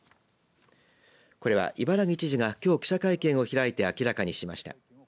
これは、伊原木知事がきょう記者会見を開いて明らかにしました。